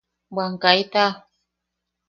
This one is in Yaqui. ¡¡Bwan kaita!!